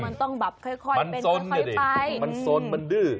มันต้องแบบค่อยไป